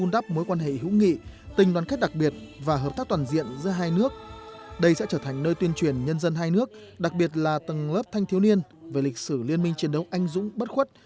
đây sẽ trở thành nơi tuyên truyền nhân dân hai nước đặc biệt là tầng lớp thanh thiếu niên về lịch sử liên minh chiến đấu anh dũng bất khuất